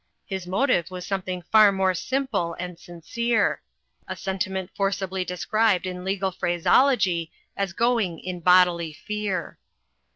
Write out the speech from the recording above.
His motive was something far more simple and sincere; a sentiment forcibly described in legal phraseology as going in bodily fear.